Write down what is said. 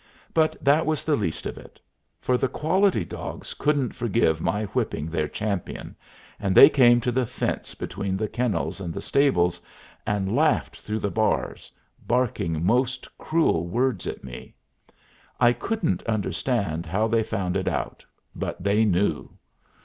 But that was the least of it. For the quality dogs couldn't forgive my whipping their champion, and they came to the fence between the kennels and the stables, and laughed through the bars, barking most cruel words at me. I couldn't understand how they found it out, but they knew.